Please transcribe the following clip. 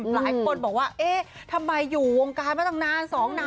หลายคนบอกว่าเอ๊ะทำไมอยู่วงการมาตั้งนาน๒นาน